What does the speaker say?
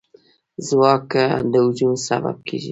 ځواک د هجوم سبب کېږي.